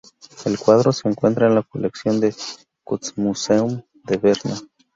El cuadro se encuentra en la colección del Kunstmuseum de Berna.